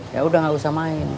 ya udah gak usah main